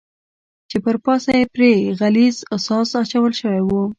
چې پر پاسه یې پرې غلیظ ساس اچول شوی و.